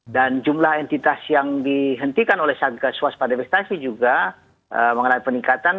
dan jumlah entitas yang dihentikan oleh satgas waspada investasi juga mengenai peningkatan